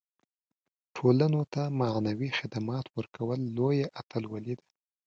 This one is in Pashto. ټولنو ته معنوي خدمات ورکول لویه اتلولي ده.